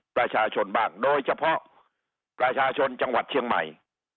ประชาชนบ้างโดยเฉพาะประชาชนจังหวัดเชียงใหม่